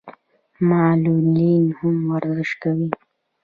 معلولین هم ورزش کوي.